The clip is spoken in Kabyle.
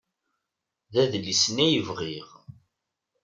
D adlis-nni ay bɣiɣ.